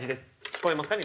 聞こえますか？